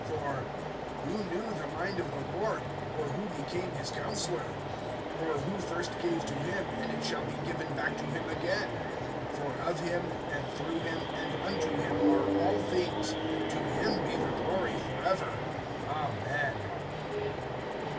(34)For, Who knew the mind of the Lord? Or who became his counselor? (35)Or who first gave to him, and it shall be given back to him again? (36)For of him, and through him, and unto him, are all things; to him be the glory forever. Amen.